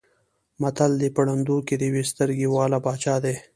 متل دی: په ړندو کې د یوې سترګې واله باچا دی.